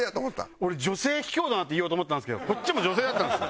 俺「女性卑怯だな」って言おうと思ってたんですけどこっちも女性だったんですね。